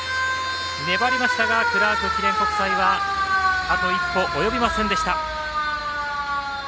粘りましたがクラーク記念国際はあと一歩及びませんでした。